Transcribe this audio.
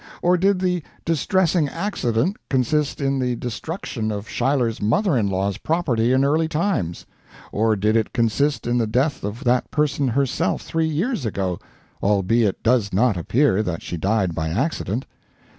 Or did the "distressing accident" consist in the destruction of Schuyler's mother in law's property in early times? Or did it consist in the death of that person herself three years ago (albeit it does not appear that she died by accident)?